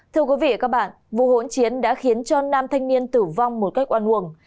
thưa quý vị và các bạn vụ hỗn chiến đã khiến cho nam thanh niên tử vong một cách oan uổng